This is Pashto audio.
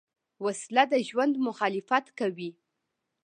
وسله د ژوند مخالفت کوي